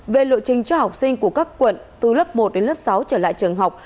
về lộ trình cho học sinh của các quận từ lớp một đến lớp sáu trở lại trường học